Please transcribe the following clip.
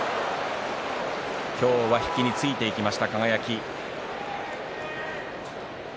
今日は引きについていきました輝。